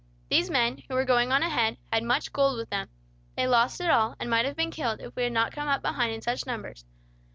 These men, who were going on ahead, had much gold with them. They lost it all, and might have been killed, if we had not come up behind in such numbers.